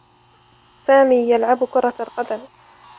سامي يلعب كرة القدم.